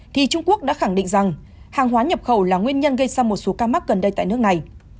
thì trung quốc đã khẳng định rằng hàng hóa nhập khẩu là nguyên nhân gây ra một số ca mắc gần đây tại nước này